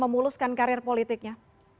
memuluskan karir politiknya